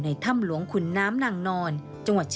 ทีมข่าวของเรานำเสนอรายงานพิเศษ